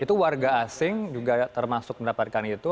itu warga asing juga termasuk mendapatkan itu